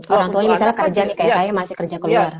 orang tuanya misalnya kerja